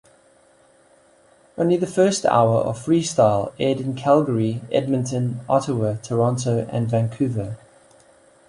Only the first hour of "Freestyle" aired in Calgary, Edmonton, Ottawa, Toronto and Vancouver.